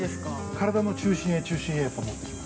◆体の中心へ中心へ持ってくる。